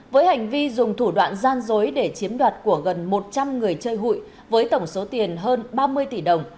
với hành vi dùng thủ đoạn gian dối để chiếm đoạt của gần một trăm linh người chơi hụi với tổng số tiền hơn ba mươi tỷ đồng